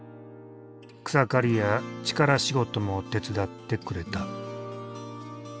草刈りや力仕事も手伝ってくれた。